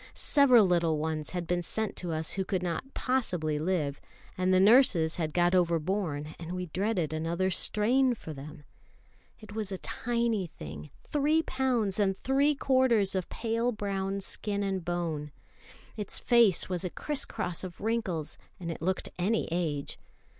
Several little ones had been sent to us who could not possibly live; and the nurses had got overborne, and we dreaded another strain for them. It was a tiny thing, three pounds and three quarters of pale brown skin and bone. Its face was a criss cross of wrinkles, and it looked any age.